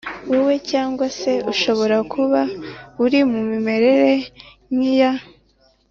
wawe Cyangwa se ushobora kuba uri mu mimerere nk iya